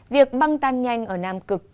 việc băng tan nhanh ở nam cực